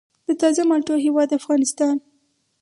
د تازه مالټو هیواد افغانستان.